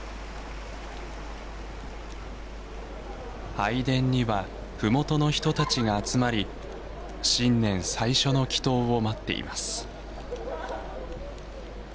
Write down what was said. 拝殿にはふもとの人たちが集まり新年最初の祈とうを待っています。